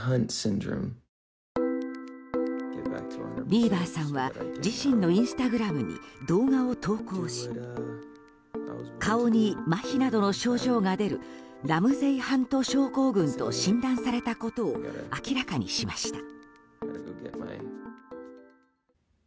ビーバーさんは自身のインスタグラムに動画を投稿し顔にまひなどの症状が出るラムゼイ・ハント症候群と診断されたことを明らかにしました。